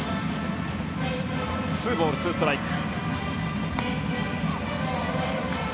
ツーボール、ツーストライク。